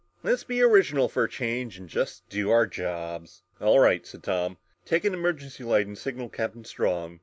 Let's be original for a change and just do our jobs!" "All right," said Tom. "Take an emergency light and signal Captain Strong.